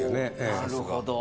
なるほど。